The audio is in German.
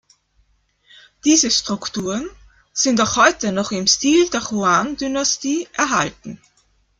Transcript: Diese Strukturen sind auch heute noch im Stil der Yuan-Dynastie erhalten.